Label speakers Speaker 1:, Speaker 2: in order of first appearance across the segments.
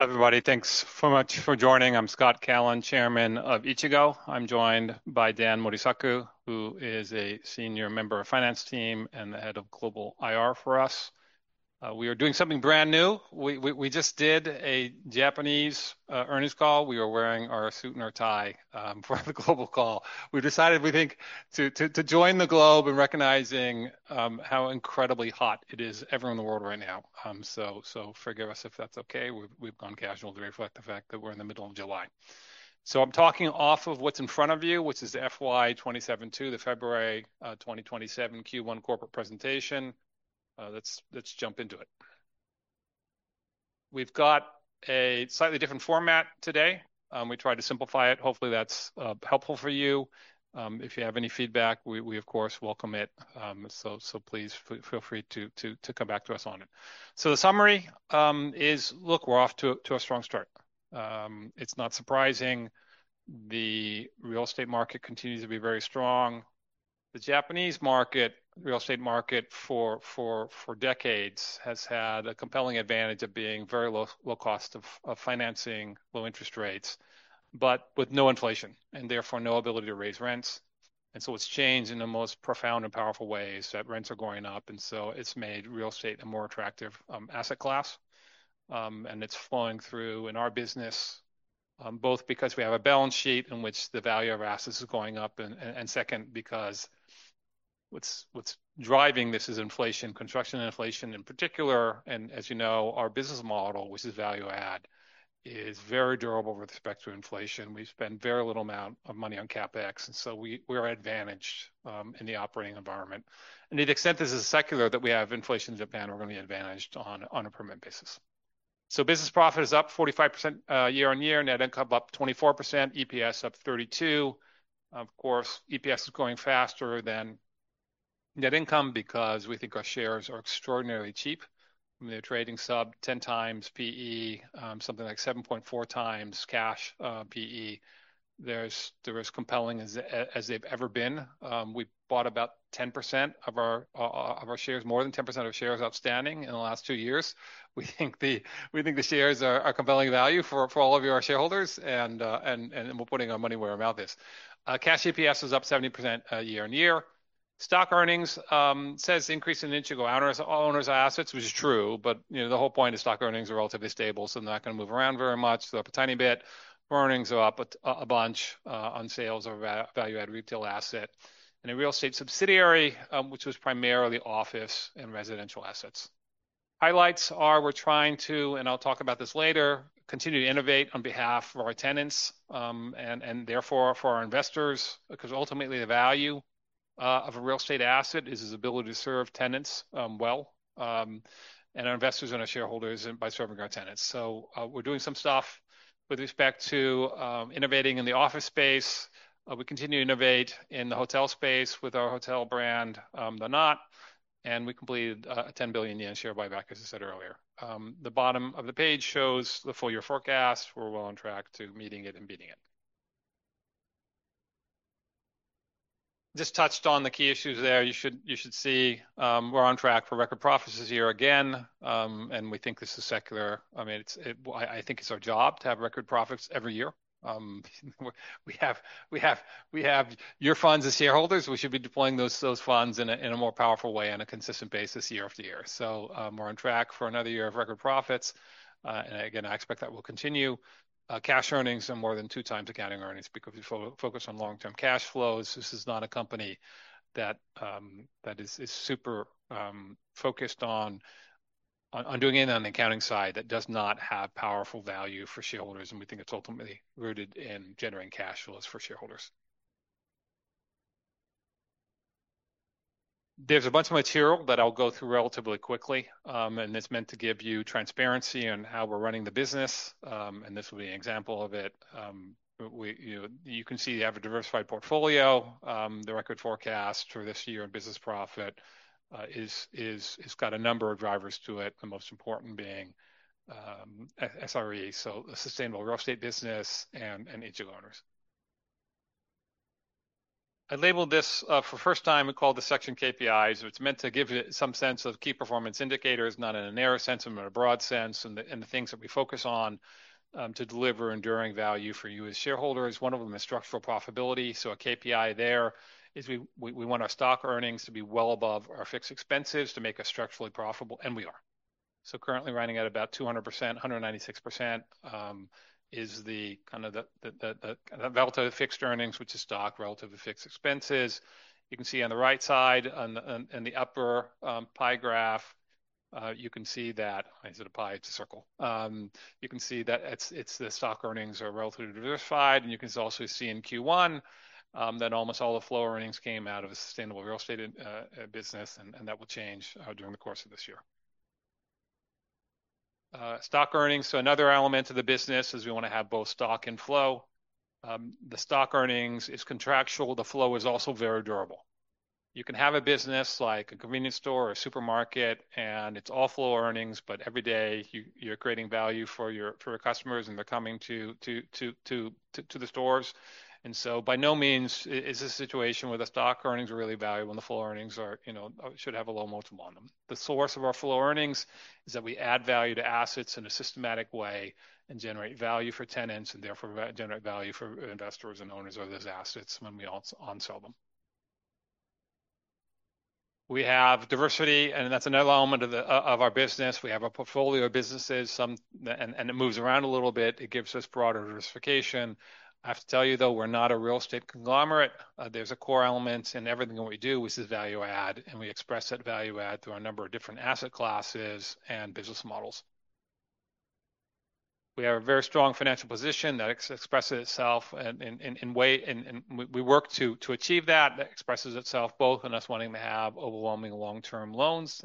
Speaker 1: Everybody, thanks so much for joining. I'm Scott Callon, Chairman of Ichigo. I'm joined by Dan Morisaku, who is a senior member of finance team and the Head of Global IR for us. We are doing something brand new. We just did a Japanese earnings call. We were wearing our suit and our tie for the global call. We decided, we think, to join the globe in recognizing how incredibly hot it is everywhere in the world right now. Forgive us if that's okay. We've gone casual to reflect the fact that we're in the middle of July. I'm talking off of what's in front of you, which is FY 2027/2, the February 2027 Q1 corporate presentation. Let's jump into it. We've got a slightly different format today. We tried to simplify it. Hopefully, that's helpful for you. If you have any feedback, we of course, welcome it. Please feel free to come back to us on it. The summary is, look, we're off to a strong start. It's not surprising the real estate market continues to be very strong. The Japanese market, real estate market for decades has had a compelling advantage of being very low cost of financing, low interest rates, but with no inflation and therefore no ability to raise rents. It's changed in the most profound and powerful ways that rents are going up, it's made real estate a more attractive asset class. It's flowing through in our business, both because we have a balance sheet in which the value of our assets is going up, and second, because what's driving this is inflation, construction inflation in particular. As you know, our business model, which is value add, is very durable with respect to inflation. We spend very little amount of money on CapEx, we are advantaged in the operating environment. To the extent this is secular, that we have inflation in Japan, we're going to be advantaged on a permanent basis. Business profit is up 45% year-on-year, net income up 24%, EPS up 32%. Of course, EPS is growing faster than net income because we think our shares are extraordinarily cheap. They're trading sub-10x PE, something like 7.4x cash PE. They're as compelling as they've ever been. We bought about 10% of our shares, more than 10% of shares outstanding in the last two years. We think the shares are compelling value for all of you, our shareholders, and we're putting our money where our mouth is. Cash EPS is up 70% year-on-year. Stock earnings says increase in Ichigo Owners' assets, which is true, but the whole point is stock earnings are relatively stable, they're not going to move around very much. They're up a tiny bit. Earnings are up a bunch on sales of value-add retail asset in a real estate subsidiary, which was primarily office and residential assets. Highlights are we're trying to, I'll talk about this later, continue to innovate on behalf of our tenants, and therefore for our investors, because ultimately the value of a real estate asset is its ability to serve tenants well, and our investors and our shareholders by serving our tenants. We're doing some stuff with respect to innovating in the office space. We continue to innovate in the hotel space with our hotel brand, THE KNOT, and we completed a 10 billion yen share buyback, as I said earlier. The bottom of the page shows the full year forecast. We're well on track to meeting it and beating it. Just touched on the key issues there. You should see we're on track for record profits this year again. We think this is secular. I think it's our job to have record profits every year. We have your funds as shareholders. We should be deploying those funds in a more powerful way on a consistent basis year after year. We're on track for another year of record profits. Again, I expect that will continue. Cash earnings are more than two times accounting earnings because we focus on long-term cash flows. This is not a company that is super focused on doing it on the accounting side that does not have powerful value for shareholders, and we think it's ultimately rooted in generating cash flows for shareholders. There's a bunch of material that I'll go through relatively quickly. It's meant to give you transparency on how we're running the business. This will be an example of it. You can see we have a diversified portfolio. The record forecast for this year in business profit, it's got a number of drivers to it, the most important being SRE, so the sustainable real estate business and Ichigo Owners. I labeled this, for the first time, we called this section KPIs. It's meant to give you some sense of key performance indicators, not in a narrow sense, but in a broad sense, and the things that we focus on to deliver enduring value for you as shareholders. One of them is structural profitability. A KPI there is we want our stock earnings to be well above our fixed expenses to make us structurally profitable, and we are. Currently running at about 200%. 196% is the kind of the relative fixed earnings, which is stock relative to fixed expenses. You can see on the right side in the upper pie graph. Is it a pie? It's a circle. You can see that it's the stock earnings are relatively diversified. You can also see in Q1 that almost all the flow earnings came out of a sustainable real estate business, and that will change during the course of this year. Stock earnings. Another element of the business is we want to have both stock and flow. The stock earnings is contractual. The flow is also very durable. You can have a business like a convenience store or a supermarket, and it's all flow earnings, but every day you're creating value for your customers, and they're coming to the stores. By no means is this a situation where the stock earnings are really valuable and the flow earnings should have a low multiple on them. The source of our flow earnings is that we add value to assets in a systematic way and generate value for tenants, and therefore generate value for investors and owners of those assets when we onsell them. We have diversity, and that's another element of our business. We have a portfolio of businesses, and it moves around a little bit. It gives us broader diversification. I have to tell you, though, we're not a real estate conglomerate. There's a core element in everything that we do, which is value add, and we express that value add through a number of different asset classes and business models. We have a very strong financial position that expresses itself, and we work to achieve that. That expresses itself both in us wanting to have overwhelming long-term loans.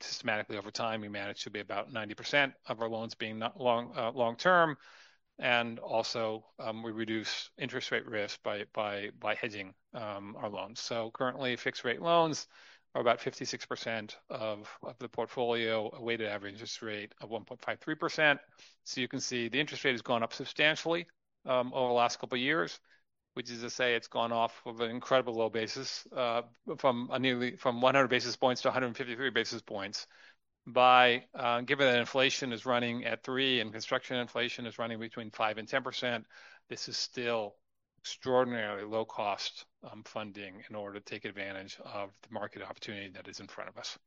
Speaker 1: Systematically over time, we manage to be about 90% of our loans being long-term. Also, we reduce interest rate risk by hedging our loans. Currently, fixed rate loans are about 56% of the portfolio, a weighted average interest rate of 1.53%. You can see the interest rate has gone up substantially over the last couple of years, which is to say it's gone off of an incredibly low basis from 100 basis points to 153 basis points. Given that inflation is running at 3% and construction inflation is running between 5% and 10%, this is still extraordinarily low-cost funding in order to take advantage of the market opportunity that is in front of us.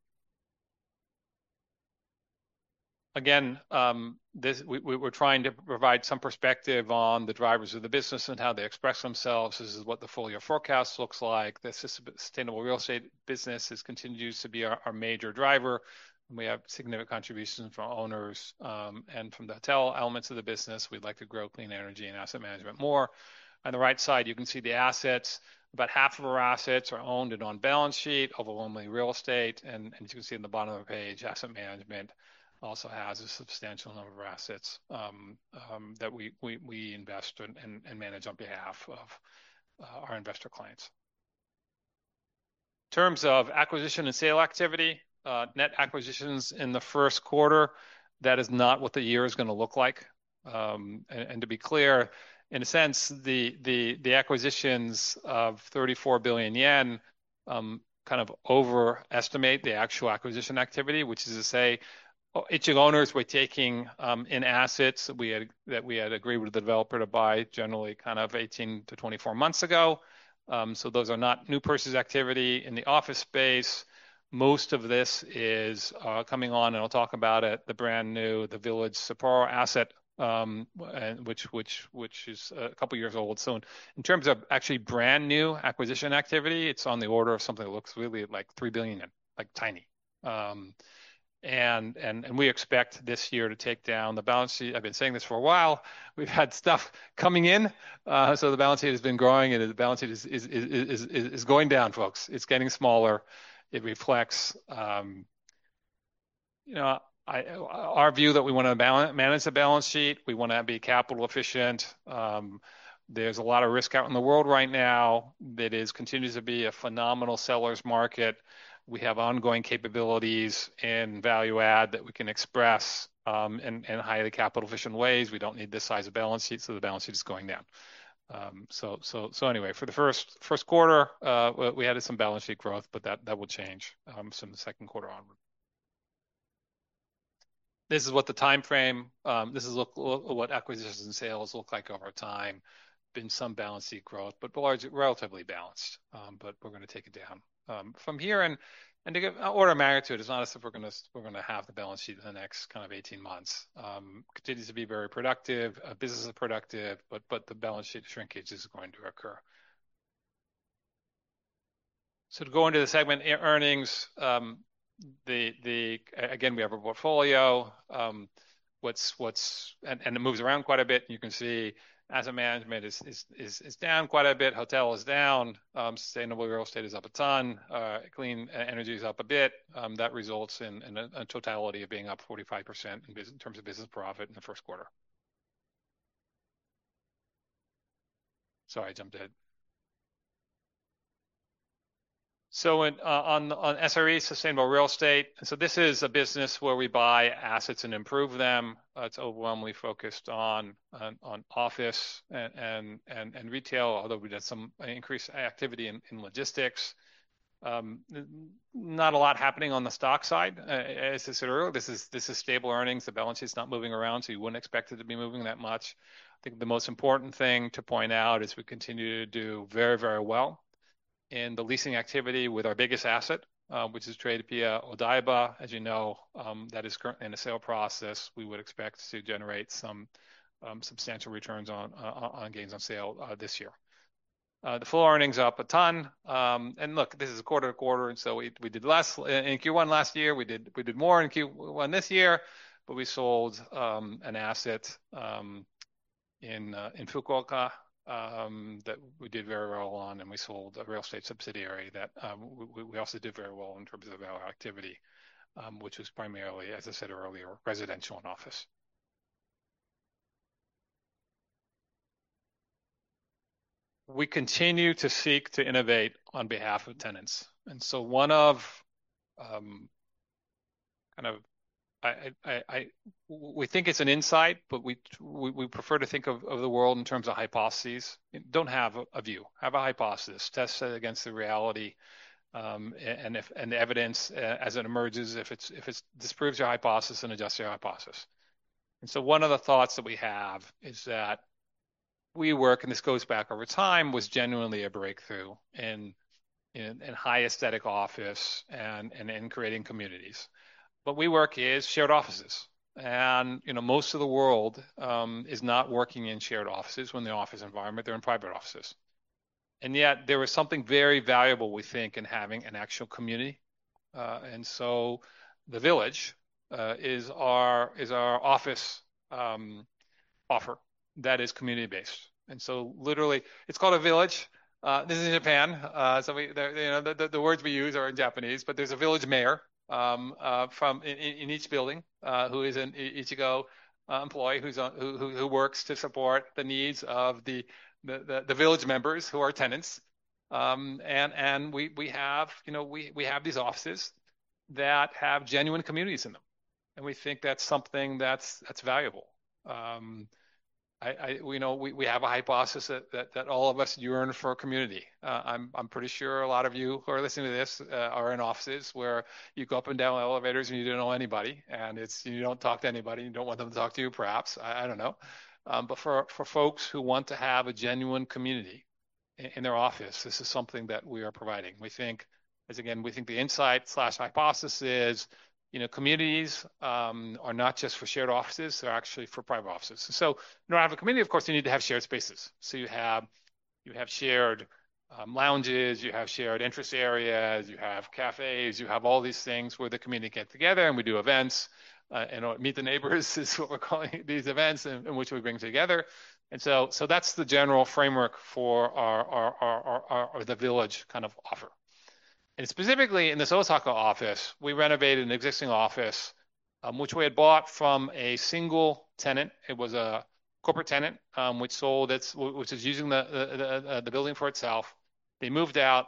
Speaker 1: Again, we're trying to provide some perspective on the drivers of the business and how they express themselves. This is what the full-year forecast looks like. The sustainable real estate business continues to be our major driver, and we have significant contributions from our Owners and from the hotel elements of the business. We'd like to grow clean energy and asset management more. On the right side, you can see the assets. About half of our assets are owned and on balance sheet, overwhelmingly real estate. As you can see in the bottom of the page, asset management also has a substantial number of assets that we invest in and manage on behalf of our investor clients. In terms of acquisition and sale activity, net acquisitions in the first quarter, that is not what the year is going to look like. To be clear, in a sense, the acquisitions of 34 billion yen kind of overestimate the actual acquisition activity, which is to say Ichigo Owners were taking in assets that we had agreed with the developer to buy generally kind of 18-24 months ago. Those are not new purses activity in the office space. Most of this is coming on, and I'll talk about it, the brand new THE VILLAGE SAPPORO asset, which is a couple of years old. In terms of actually brand-new acquisition activity, it's on the order of something that looks really like 3 billion, like tiny. We expect this year to take down the balance sheet. I've been saying this for a while. We've had stuff coming in, so the balance sheet has been growing, and the balance sheet is going down, folks. It's getting smaller. It reflects our view that we want to manage the balance sheet. We want to be capital efficient. There's a lot of risk out in the world right now that continues to be a phenomenal sellers market. We have ongoing capabilities and value add that we can express in highly capital-efficient ways. We don't need this size of balance sheet, so the balance sheet is going down. Anyway, for the first quarter, we added some balance sheet growth, but that will change from the second quarter onward. This is what the timeframe, this is what acquisitions and sales look like over time. Been some balance sheet growth, but relatively balanced. We are going to take it down. From here, and order of magnitude, it is not as if we are going to halve the balance sheet in the next kind of 18 months. Continues to be very productive. Business is productive, but the balance sheet shrinkage is going to occur. To go into the segment earnings, again, we have our portfolio, and it moves around quite a bit. You can see asset management is down quite a bit. Hotel is down. Sustainable Real Estate is up a ton. Clean energy is up a bit. That results in a totality of being up 45% in terms of business profit in the first quarter. Sorry, I jumped ahead. On SRE, Sustainable Real Estate, this is a business where we buy assets and improve them. It is overwhelmingly focused on office and retail, although we have done some increased activity in logistics. Not a lot happening on the stock side. As I said earlier, this is stable earnings. The balance sheet is not moving around, so you would not expect it to be moving that much. I think the most important thing to point out is we continue to do very, very well in the leasing activity with our biggest asset, which is Tradepia Odaiba. As you know, that is currently in the sale process. We would expect to generate some substantial returns on gains on sale this year. The flow earnings up a ton. Look, this is quarter-to-quarter, we did less in Q1 last year. We did more in Q1 this year. We sold an asset in Fukuoka that we did very well on, and we sold a real estate subsidiary that we also did very well in terms of our activity, which was primarily, as I said earlier, residential and office. We continue to seek to innovate on behalf of tenants. We think it is an insight, but we prefer to think of the world in terms of hypotheses. Do not have a view, have a hypothesis. Test it against the reality, and the evidence, as it emerges, if it disproves your hypothesis, then adjust your hypothesis. One of the thoughts that we have is that WeWork, and this goes back over time, was genuinely a breakthrough in high aesthetic office and in creating communities. What WeWork is shared offices. Most of the world is not working in shared offices. When they are office environment, they are in private offices. Yet there was something very valuable, we think, in having an actual community. The Village is our office offer that is community-based. Literally, it is called a village. This is in Japan, so the words we use are in Japanese. There is a village mayor in each building who is an Ichigo employee, who works to support the needs of the village members who are tenants. We have these offices that have genuine communities in them, and we think that is something that is valuable. We have a hypothesis that all of us yearn for a community. I'm pretty sure a lot of you who are listening to this are in offices where you go up and down elevators, and you don't know anybody, and you don't talk to anybody, and you don't want them to talk to you, perhaps. I don't know. For folks who want to have a genuine community in their office, this is something that we are providing. Again, we think the insight/hypothesis is communities are not just for shared offices, they're actually for private offices. In order to have a community, of course, you need to have shared spaces. You have shared lounges, you have shared interest areas, you have cafes, you have all these things where the community get together, and we do events. Meet The Neighbors! is what we're calling these events in which we bring together. That's the general framework for The Village offer. Specifically in this Osaka office, we renovated an existing office, which we had bought from a single tenant. It was a corporate tenant which is using the building for itself. They moved out,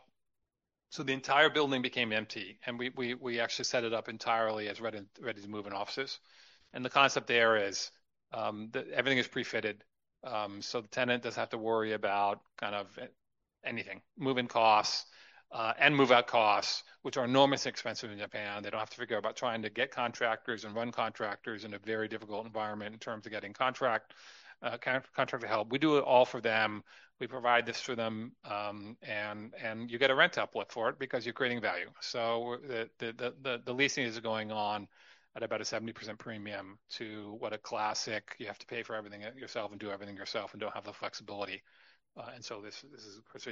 Speaker 1: so the entire building became empty. We actually set it up entirely as ready-to-move-in offices. The concept there is that everything is pre-fitted, so the tenant doesn't have to worry about anything. Move-in costs and move-out costs, which are enormously expensive in Japan. They don't have to figure about trying to get contractors and run contractors in a very difficult environment in terms of getting contract help. We do it all for them. We provide this for them. You get a rent uplift for it because you're creating value. The leasing is going on at about a 70% premium to what a classic, you have to pay for everything yourself and do everything yourself and don't have the flexibility. This is, of course,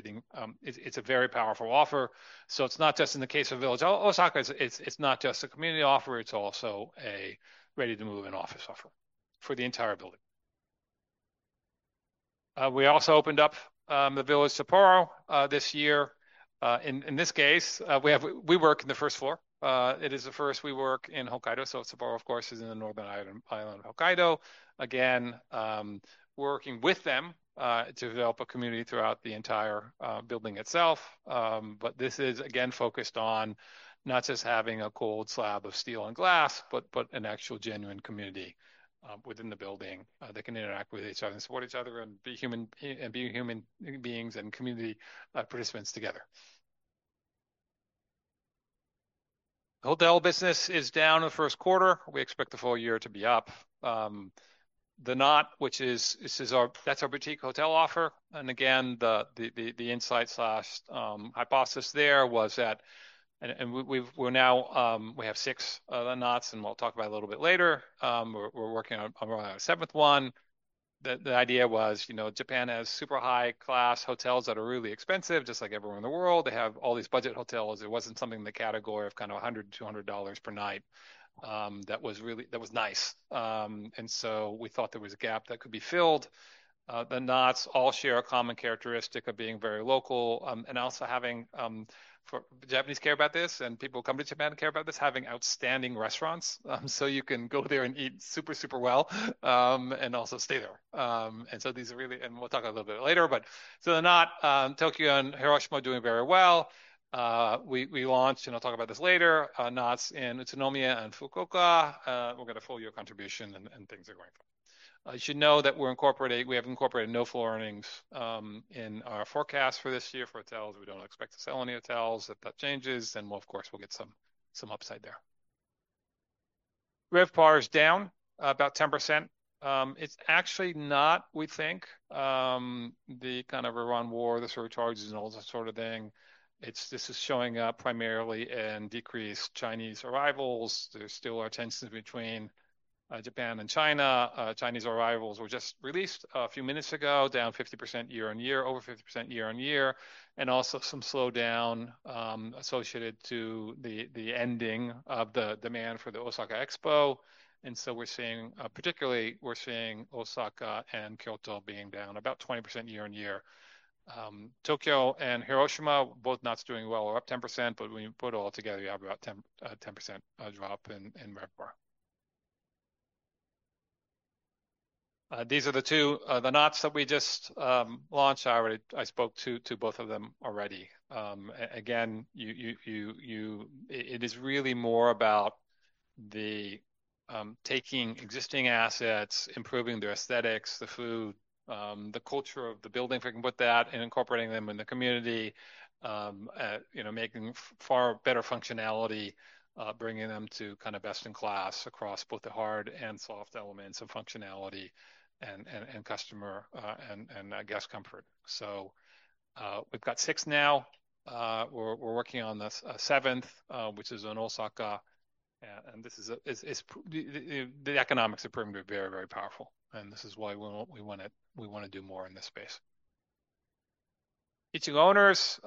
Speaker 1: it's a very powerful offer. It's not just in the case of THE VILLAGE OSAKA. It's not just a community offer, it's also a ready-to-move-in office offer for the entire building. We also opened up THE VILLAGE SAPPORO this year. In this case, WeWork in the first floor. It is the first WeWork in Hokkaido. Sapporo, of course, is in the northern island of Hokkaido. Again, working with them to develop a community throughout the entire building itself. This is, again, focused on not just having a cold slab of steel and glass, but an actual, genuine community within the building that can interact with each other and support each other and be human beings and community participants together. Hotel business is down in the first quarter. We expect the full year to be up. THE KNOT, that's our boutique hotel offer. Again, the insight/hypothesis there was that. We have six of THE KNOTs, and we'll talk about a little bit later. We're working on our seventh one. The idea was Japan has super high-class hotels that are really expensive, just like everywhere in the world. They have all these budget hotels. There wasn't something in the category of $100, $200 per night that was nice. We thought there was a gap that could be filled. THE KNOTs all share a common characteristic of being very local. Also having, Japanese care about this, and people who come to Japan care about this, having outstanding restaurants. You can go there and eat super well, and also stay there. We'll talk a little bit later, but THE KNOT Tokyo and Hiroshima are doing very well. We launched, and I'll talk about this later, KNOTs in Utsunomiya and Fukuoka. We'll get a full year contribution, things are going fine. You should know that we have incorporated no floor earnings in our forecast for this year for hotels. We don't expect to sell any hotels. If that changes, then we'll, of course, get some upside there. RevPAR is down about 10%. It's actually not, we think, the Iran war, the surcharges, and all this sort of thing. This is showing up primarily in decreased Chinese arrivals. There still are tensions between Japan and China. Chinese arrivals were just released a few minutes ago, down over 50% year-on-year. Also some slowdown associated to the ending of the demand for the Osaka Expo. Particularly, we're seeing Osaka and Kyoto being down about 20% year-on-year. Tokyo and Hiroshima, both KNOTs doing well. We're up 10%, but when you put it all together, you have about a 10% drop in RevPAR. These are the two, the KNOTs that we just launched. I spoke to both of them already. Again, it is really more about the taking existing assets, improving their aesthetics, the food, the culture of the building, if I can put that, and incorporating them in the community. Making far better functionality, bringing them to best in class across both the hard and soft elements of functionality and customer and guest comfort. We've got six now. We're working on the seventh, which is in Osaka. The economics have proven to be very, very powerful, this is why we want to do more in this space. Ichigo Owners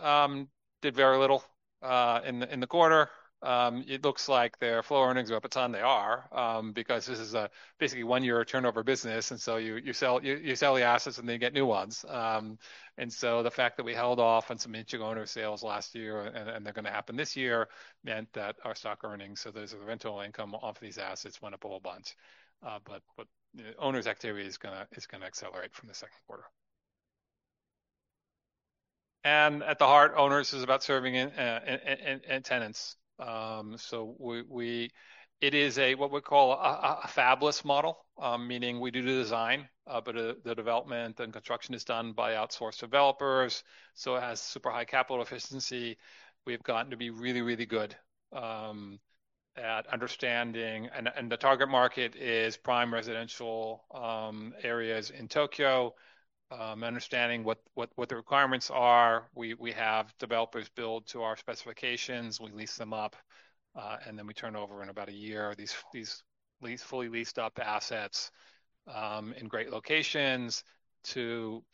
Speaker 1: did very little in the quarter. It looks like their floor earnings are up a ton. They are, because this is basically a one-year turnover business, you sell the assets and then you get new ones. The fact that we held off on some Ichigo Owners sales last year, and they're going to happen this year, meant that our stock earnings, so those are the rental income off these assets, went up a whole bunch. The Owners' activity is going to accelerate from the second quarter. At the heart, Owners is about serving tenants. It is a, what we call a fabless model, meaning we do the design, but the development and construction is done by outsourced developers. It has super high capital efficiency. We've gotten to be really, really good at understanding. The target market is prime residential areas in Tokyo. Understanding what the requirements are. We have developers build to our specifications. We lease them up, we turn over in about a year, these fully leased-up assets in great locations to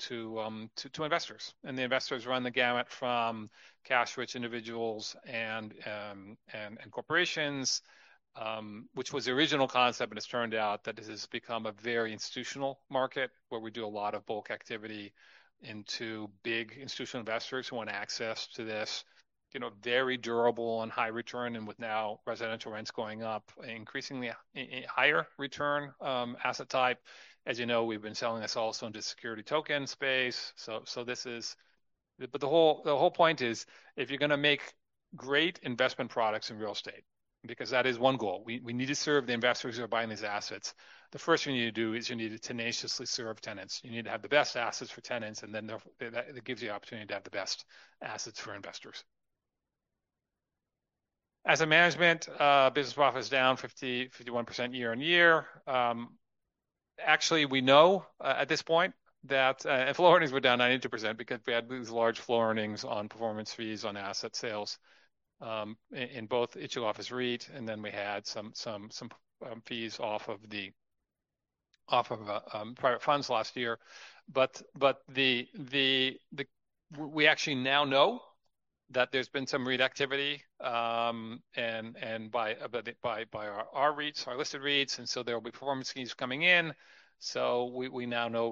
Speaker 1: investors. The investors run the gamut from cash-rich individuals and corporations, which was the original concept, but it's turned out that this has become a very institutional market where we do a lot of bulk activity into big institutional investors who want access to this very durable and high return, and with now residential rents going up, increasingly higher return asset type. As you know, we've been selling this also into security token space. The whole point is, if you're going to make great investment products in real estate, because that is one goal, we need to serve the investors who are buying these assets. The first thing you need to do is you need to tenaciously serve tenants. You need to have the best assets for tenants, that gives you opportunity to have the best assets for investors. As a management, business profit is down 51% year-over-year. Actually, we know, at this point, that floor earnings were down 92% because we had these large floor earnings on performance fees on asset sales in both Ichigo Office REIT, we had some fees off of private funds last year. We actually now know that there's been some REIT activity by our REITs, our listed REITs, there will be performance fees coming in. We now know.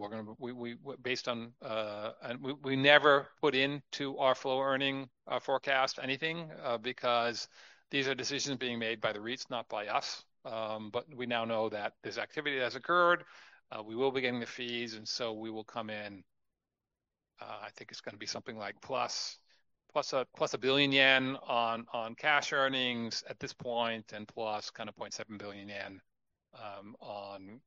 Speaker 1: We never put into our floor earning forecast anything, because these are decisions being made by the REITs, not by us. We now know that this activity has occurred. We will be getting the fees, we will come in, I think it's going to be something like +1 billion yen on cash earnings at this point and +0.7 billion yen on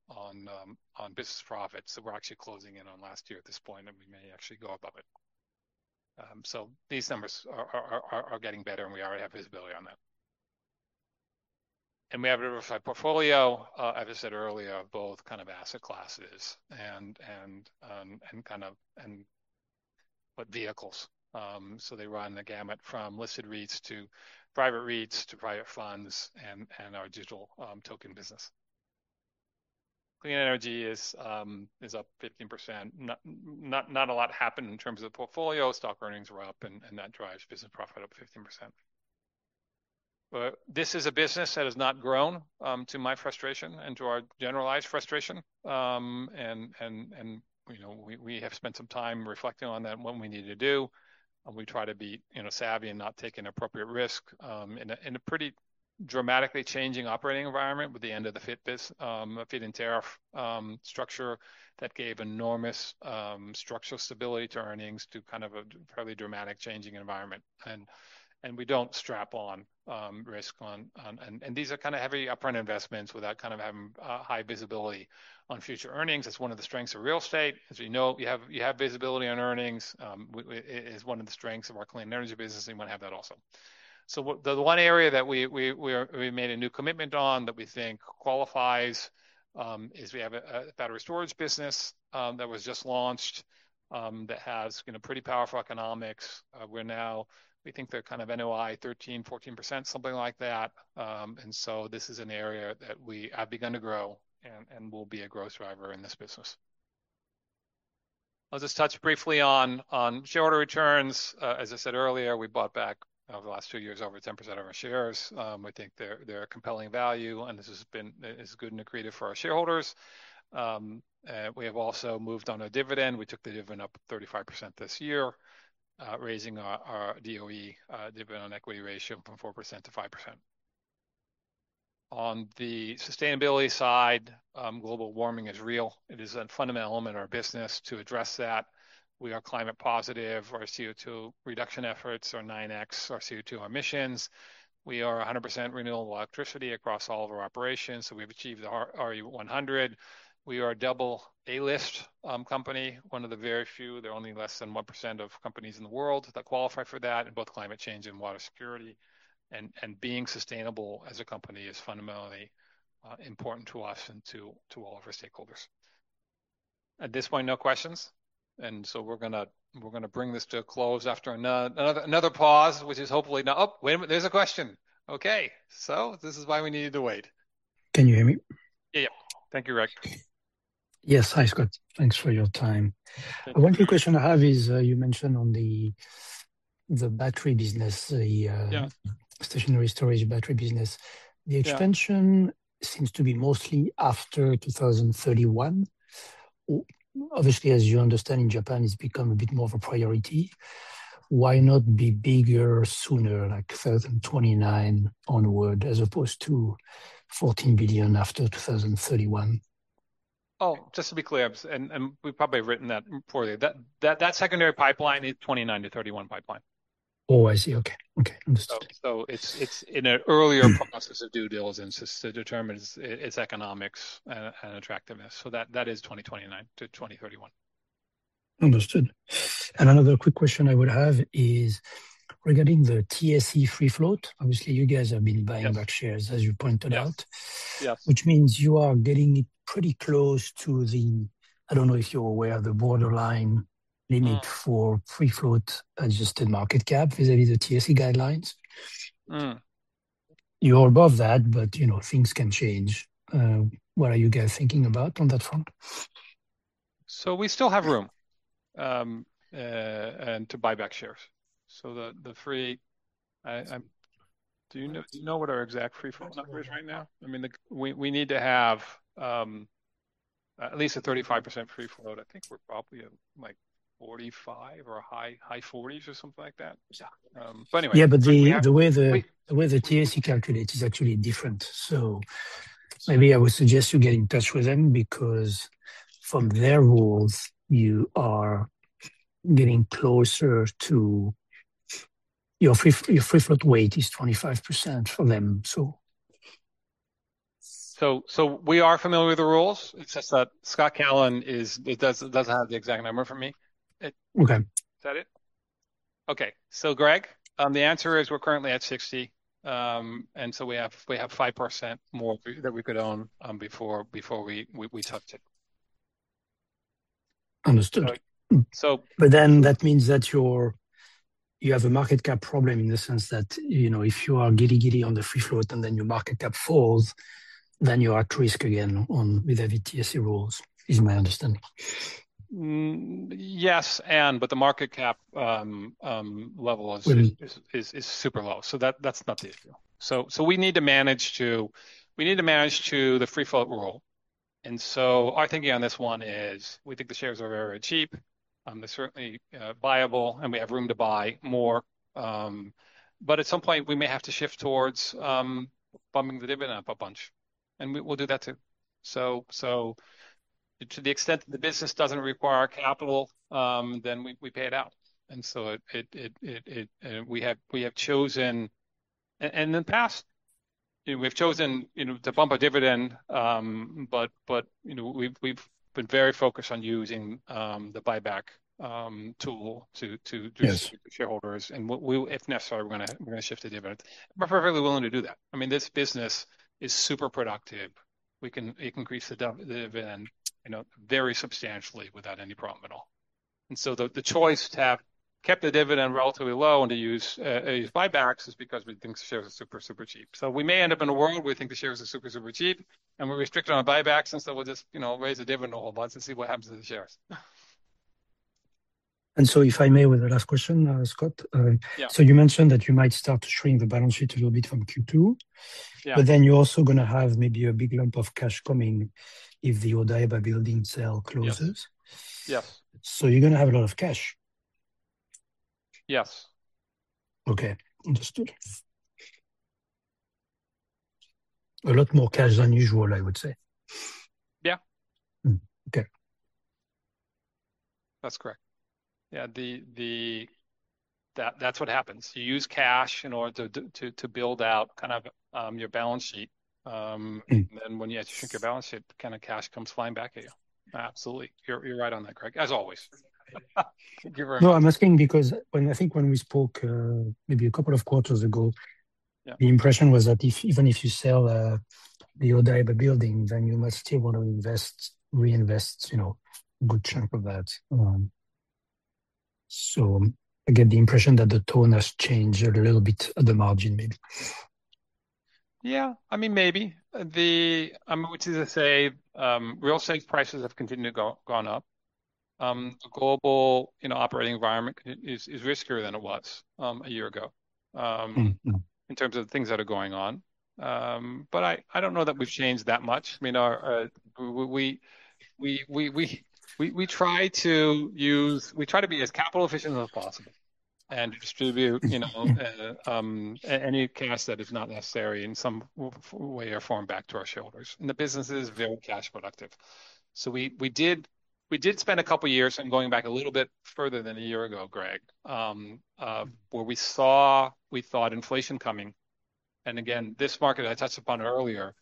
Speaker 1: business profits. We're actually closing in on last year at this point, we may actually go above it. These numbers are getting better, we already have visibility on that. We have a diversified portfolio, as I said earlier, of both asset classes and vehicles. They run the gamut from listed REITs to private REITs to private funds and our digital token business. Clean energy is up 15%. Not a lot happened in terms of the portfolio. Stock earnings were up, that drives business profit up 15%. This is a business that has not grown, to my frustration and to our generalized frustration. We have spent some time reflecting on that and what we need to do, we try to be savvy and not take inappropriate risk in a pretty dramatically changing operating environment with the end of the FIT, Feed-In Tariff structure that gave enormous structural stability to earnings, to a fairly dramatic changing environment. We don't strap on risk. These are heavy upfront investments without having high visibility on future earnings. That's one of the strengths of real estate. As we know, you have visibility on earnings. It is one of the strengths of our clean energy business, we want to have that also. The one area that we made a new commitment on that we think qualifies is we have a battery storage business that was just launched that has pretty powerful economics. We think they're NOI 13%, 14%, something like that. This is an area that we have begun to grow and will be a growth driver in this business. I'll just touch briefly on shareholder returns. As I said earlier, we bought back over the last two years over 10% of our shares. We think they're a compelling value, this has been good and accretive for our shareholders. We have also moved on a dividend. We took the dividend up 35% this year, raising our DOE, dividend on equity ratio, from 4% to 5%. On the sustainability side, global warming is real. It is a fundamental element of our business to address that. We are climate positive. Our CO2 reduction efforts are 9x our CO2 emissions. We are 100% renewable electricity across all of our operations, so we've achieved the RE100. We are a double A-list company, one of the very few. There are only less than 1% of companies in the world that qualify for that in both climate change and water security. Being sustainable as a company is fundamentally important to us and to all of our stakeholders. At this point, no questions. We're going to bring this to a close after another pause, which is hopefully not Oh, wait a minute, there's a question. Okay. This is why we needed to wait.
Speaker 2: Can you hear me?
Speaker 1: Yeah. Thank you, Greg.
Speaker 2: Yes. Hi, Scott. Thanks for your time. One quick question I have is, you mentioned on the battery business, stationary storage battery business. The extension seems to be mostly after 2031. Obviously, as you understand, in Japan, it's become a bit more of a priority. Why not be bigger sooner, like 2029 onward, as opposed to 14 billion after 2031?
Speaker 1: Oh, just to be clear, we've probably written that poorly. That secondary pipeline is 2029 to 2031 pipeline.
Speaker 2: Oh, I see. Okay. Understood.
Speaker 1: It's in an earlier process of due diligence just to determine its economics and attractiveness. That is 2029 to 2031.
Speaker 2: Understood. Another quick question I would have is regarding the TSE free float. Obviously, you guys have been buying back shares as you pointed out.
Speaker 1: Yep.
Speaker 2: Which means you are getting it pretty close to the, I don't know if you're aware, the borderline limit for free float adjusted market cap vis-à-vis the TSE guidelines. You're above that, but things can change. What are you guys thinking about on that front?
Speaker 1: We still have room to buy back shares. Do you know what our exact free float number is right now? We need to have at least a 35% free float. I think we're probably at like 45% or high 40s or something like that.
Speaker 2: The way the TSE calculates is actually different. Maybe I would suggest you get in touch with them, because from their rules, your free float weight is 25% for them.
Speaker 1: We are familiar with the rules. It's just that Scott Callon doesn't have the exact number for me.
Speaker 2: Okay.
Speaker 3: Is that it? Okay. Greg, the answer is we're currently at 60%. We have 5% more that we could own before we'd have to.
Speaker 2: Understood. That means that you have a market cap problem in the sense that, if you are giddy-giddy on the free float and then your market cap falls, then you are at risk again with the TSE rules, is my understanding.
Speaker 1: Yes. The market cap level is super low. That's not the issue. We need to manage to the free float rule. Our thinking on this one is we think the shares are very cheap. They're certainly buyable, and we have room to buy more. At some point, we may have to shift towards bumping the dividend up a bunch, and we'll do that, too. To the extent that the business doesn't require capital, then we pay it out. In the past, we've chosen to bump our dividend, but we've been very focused on using the buyback tool distribute to shareholders. If necessary, we're going to shift the dividend. We're perfectly willing to do that. This business is super productive. It can increase the dividend very substantially without any problem at all. The choice to have kept the dividend relatively low and to use buybacks is because we think the shares are super cheap. We may end up in a world where we think the shares are super cheap and we're restricted on buybacks, we'll just raise the dividend a whole bunch and see what happens to the shares.
Speaker 2: If I may, with the last question, Scott. You mentioned that you might start to shrink the balance sheet a little bit from Q2. You're also going to have maybe a big lump of cash coming if the Odaiba building sale closes.
Speaker 1: Yes.
Speaker 2: You're going to have a lot of cash.
Speaker 1: Yes.
Speaker 2: Understood. A lot more cash than usual, I would say.
Speaker 1: Yeah.
Speaker 2: Okay.
Speaker 1: That's correct. Yeah. That's what happens. You use cash in order to build out your balance sheet. When you have to shrink your balance sheet, the cash comes flying back at you. Absolutely. You're right on that, Greg, as always. Thank you very much.
Speaker 2: No, I'm asking because I think when we spoke maybe a couple of quarters ago. The impression was that even if you sell the Odaiba building, you must still want to reinvest a good chunk of that. I get the impression that the tone has changed a little bit at the margin, maybe.
Speaker 1: Yeah. Maybe. Which is to say, real estate prices have continued, gone up. The global operating environment is riskier than it was a year ago. In terms of the things that are going on. I don't know that we've changed that much. We try to be as capital efficient as possible and distribute any cash that is not necessary in some way or form back to our shareholders. The business is very cash productive. We did spend a couple of years, I'm going back a little bit further than a year ago, Greg, where we saw we thought inflation coming. Again, this market I touched upon earlier.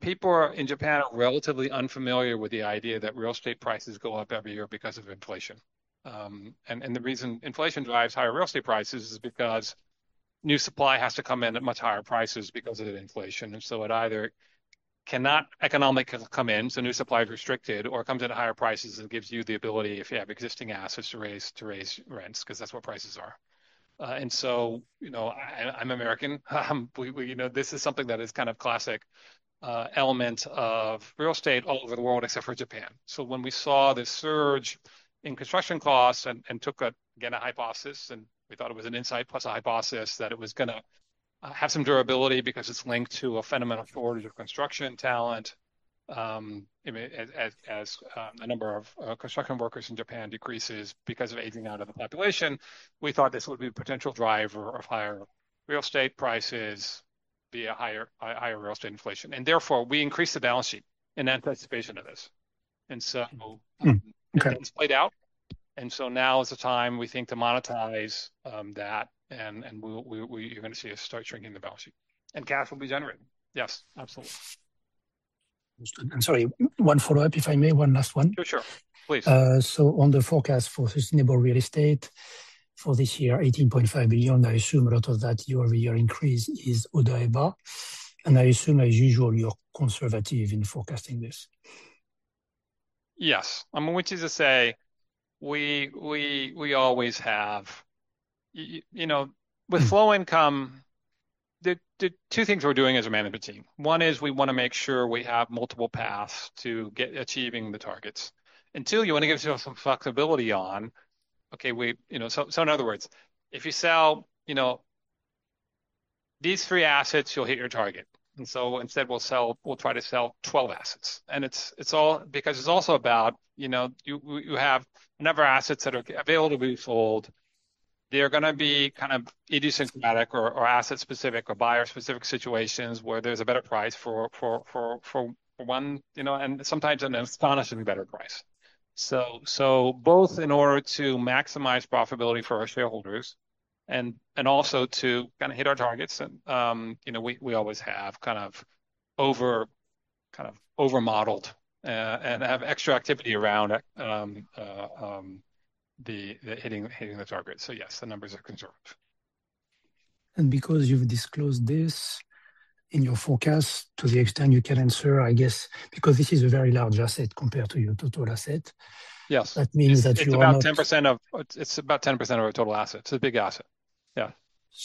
Speaker 1: People in Japan are relatively unfamiliar with the idea that real estate prices go up every year because of inflation. The reason inflation drives higher real estate prices is because new supply has to come in at much higher prices because of inflation. It either cannot economically come in, so new supply is restricted, or it comes at higher prices and gives you the ability, if you have existing assets, to raise rents, because that's what prices are. I'm American, this is something that is classic element of real estate all over the world except for Japan. When we saw this surge in construction costs and took, again, a hypothesis, and we thought it was an insight plus a hypothesis, that it was going to have some durability because it's linked to a fundamental shortage of construction talent. As the number of construction workers in Japan decreases because of aging out of the population, we thought this would be a potential driver of higher real estate prices via higher real estate inflation. Therefore, we increased the balance sheet in anticipation of this. It's played out. Now is the time, we think, to monetize that, and you're going to see us start shrinking the balance sheet. Cash will be generated. Yes, absolutely.
Speaker 2: Understood. Sorry, one follow-up, if I may. One last one.
Speaker 1: Sure. Please.
Speaker 2: On the forecast for sustainable real estate for this year, 18.5 billion, I assume a lot of that year-over-year increase is Odaiba. I assume, as usual, you're conservative in forecasting this.
Speaker 1: Yes. Which is to say, we always have With flow income, there are two things we're doing as a management team. One is we want to make sure we have multiple paths to achieving the targets. Two, you want to give yourself some flexibility on, okay, in other words, if you sell these three assets, you'll hit your target. Instead, we'll try to sell 12 assets. It's all because it's also about you have a number of assets that are available to be sold. They're going to be kind of idiosyncratic or asset specific or buyer specific situations where there's a better price for one, and sometimes an astonishingly better price. Both in order to maximize profitability for our shareholders and also to hit our targets. We always have over modeled and have extra activity around hitting the target. Yes, the numbers are conservative.
Speaker 2: Because you've disclosed this in your forecast, to the extent you can answer, I guess, because this is a very large asset compared to your total asset. That means that you are not
Speaker 1: It's about 10% of our total assets. It's a big asset.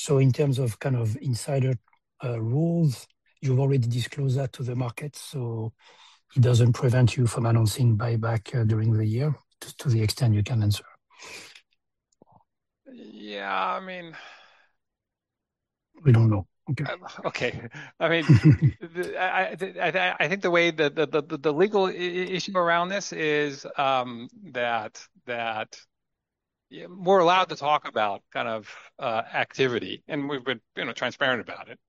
Speaker 2: In terms of insider rules, you've already disclosed that to the market, so it doesn't prevent you from announcing buyback during the year? To the extent you can answer.
Speaker 1: Yeah.
Speaker 2: We don't know. Okay.
Speaker 1: Okay. I think the way that the legal issue around this is that we're allowed to talk about activity, and we've been transparent about it.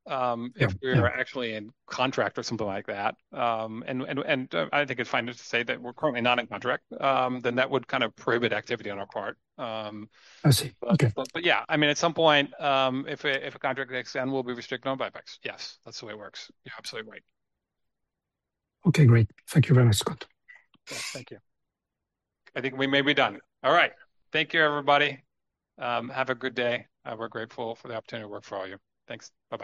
Speaker 1: If we were actually in contract or something like that, and I think it's fine just to say that we're currently not in contract, then that would prohibit activity on our part.
Speaker 2: I see. Okay.
Speaker 1: Yeah. At some point, if a contract exists, then we'll be restricted on buybacks. Yes, that's the way it works. You're absolutely right.
Speaker 2: Okay, great. Thank you very much, Scott.
Speaker 1: Thank you. I think we may be done. All right. Thank you, everybody. Have a good day. We're grateful for the opportunity to work for all you. Thanks. Bye-bye.